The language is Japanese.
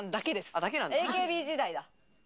ＡＫＢ時代だ。